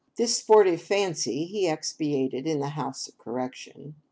This sportive fancy he expiated in the House of Correction.